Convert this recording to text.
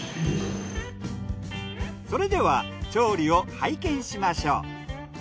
それでは調理を拝見しましょう。